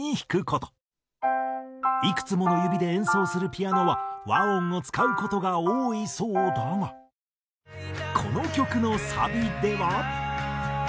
いくつもの指で演奏するピアノは和音を使う事が多いそうだがこの曲のサビでは。